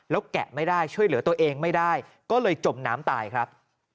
แล้วแกะไม่ได้ช่วยเหลือตัวเองไม่ได้ก็เลยจมน้ำตายครับ